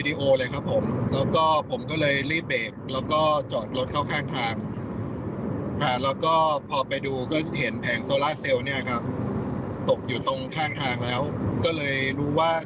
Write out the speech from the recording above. ก็เลยรู้ว่าที่โดนชนเนี่ยก็คือแผงโซล่าเซลล์ครับผม